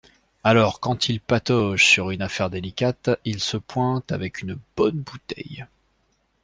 Alors quand il patauge sur une affaire délicate, il se pointe avec une bonne bouteille